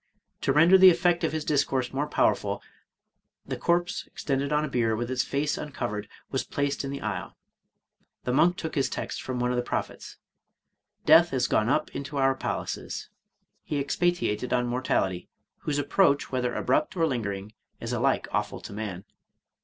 To render the effect of his discourse more power ful, the corse, extended on a bier, with its face uncovered, was placed in the aisle. The monk took his text from one of the prophets, —" Death is gone up into our palaces." He expatiated on mortality, whose approach, whether abrupt or lingering, is alike awful to man.